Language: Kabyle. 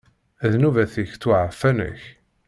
Ddnubat-ik ttwaɛfan-ak.